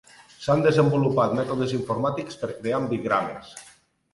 S'han desenvolupat mètodes informàtics per crear ambigrames .